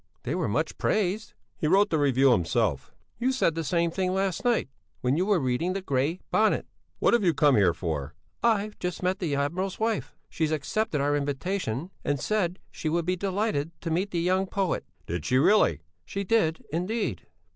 They were much praised." "He wrote the review himself." "You said the same thing last night when you were reading the Grey Bonnet." "What have you come here for?" "I've just met the admiral's wife; she's accepted our invitation and said she would be delighted to meet the young poet." "Did she really?" "She did, indeed."